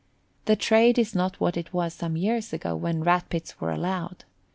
The trade is not what it was some years ago when Rat pits were allowed.